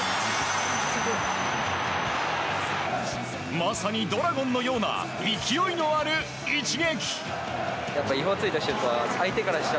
まさにドラゴンのような勢いのある一撃！